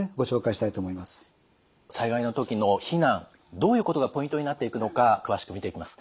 災害の時の避難どういうことがポイントになっていくのか詳しく見ていきます。